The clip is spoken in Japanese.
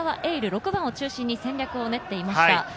琉を中心に戦略を練っていました。